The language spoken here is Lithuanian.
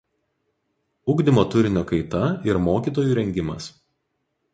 Ugdymo turinio kaita ir mokytojų rengimas.